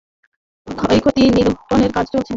ক্ষয়ক্ষতি নিরূপণের কাজ চলছে।